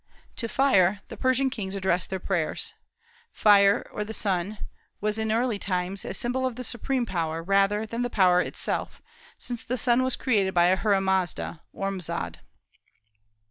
To fire, the Persian kings addressed their prayers. Fire, or the sun, was in the early times a symbol of the supreme Power, rather than the Power itself, since the sun was created by Ahura Mazda (Ormazd).